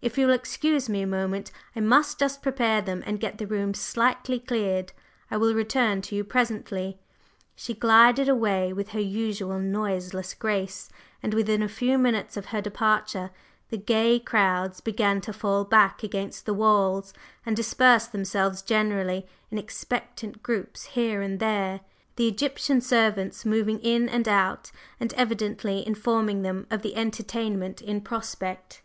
If you will excuse me a moment I must just prepare them and get the rooms slightly cleared. I will return to you presently." She glided away with her usual noiseless grace, and within a few minutes of her departure the gay crowds began to fall back against the walls and disperse themselves generally in expectant groups here and there, the Egyptian servants moving in and out and evidently informing them of the entertainment in prospect.